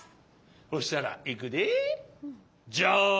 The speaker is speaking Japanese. ほしたらいくで。じゃん！